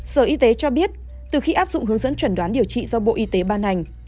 sở y tế cho biết từ khi áp dụng hướng dẫn chuẩn đoán điều trị do bộ y tế ban hành